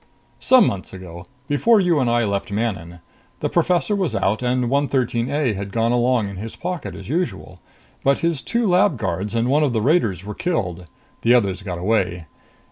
"Some months ago. Before you and I left Manon. The professor was out, and 113 A had gone along in his pocket as usual. But his two lab guards and one of the raiders were killed. The others got away.